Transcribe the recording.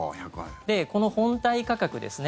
この本体価格ですね